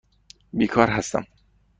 بیکار هستم.